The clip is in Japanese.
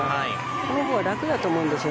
このほうが楽だと思うんです。